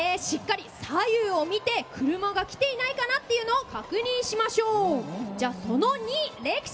しっかり左右を見て車が来ていないかなっていうのを確認しましょう！